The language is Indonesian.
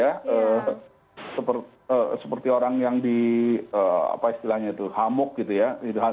ya seperti orang yang di apa istilahnya itu hamuk gitu ya